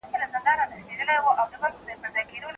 میرویس خان په کندهار کې د ګورګین پر ضد پاڅون وکړ.